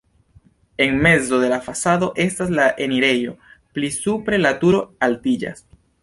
En mezo de la fasado estas la enirejo, pli supre la turo altiĝas.